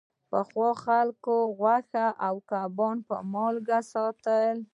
پخوا خلکو غوښه او کبان په مالګه ساتل.